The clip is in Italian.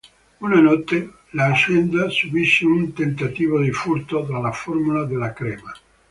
Una notte, l'azienda subisce un tentativo di furto della formula della crema.